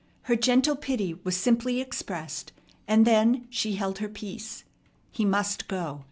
Her gentle pity was simply expressed, and then she held her peace. He must go.